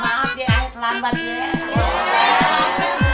maaf ya terlambat ya